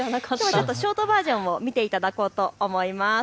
ショートバージョンを見ていただこうと思います。